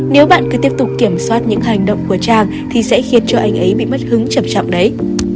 nếu bạn cứ tiếp tục kiểm soát những hành động của chàng thì sẽ khiến cho anh ấy bị mất hứng chậm chọc đấy